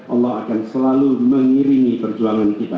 allah akan selalu mengiringi perjuangan kita